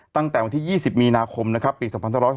ตั้งแต่วันที่๒๐มีนาคมปี๒๖๓